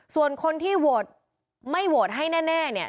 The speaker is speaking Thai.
ส่วนคนที่โหวตไม่โหวตให้แน่เนี่ย